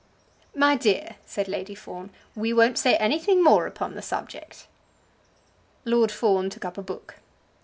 "My dear," said Lady Fawn, "we won't say anything more upon the subject." Lord Fawn took up a book.